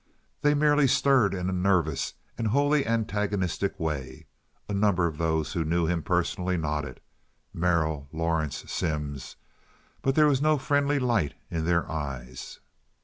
They merely stirred in a nervous and wholly antagonistic way. A number of those who knew him personally nodded—Merrill, Lawrence, Simms; but there was no friendly light in their eyes.